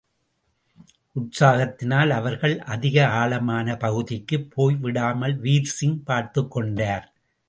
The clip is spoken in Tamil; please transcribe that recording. உற்சாகத்தினால் அவர்கள் அதிக ஆழமான பகுதிக்குப் போய்விடாமல் வீர்சிங் பார்த்துக்கொண்டார்.